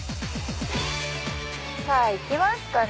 さぁ行きますかね。